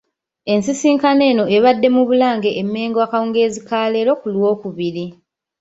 Ensisinkano eno ebadde mu Bulange e Mmengo akawungeezi ka leero ku Lwookubiri.